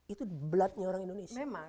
itu bloodnya orang indonesia